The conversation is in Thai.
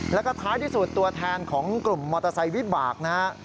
แล้วก็ท้ายที่สุดตัวแทนของกลุ่มมอเตอร์ไซค์วิบากนะฮะ